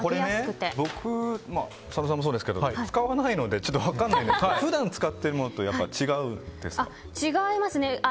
僕佐野さんもそうですけど使わないのでちょっと分からないんですけど普段使っているものと違いますね。